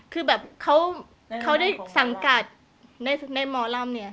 คือแบบเขาได้สังกัดในหมอลำเนี่ย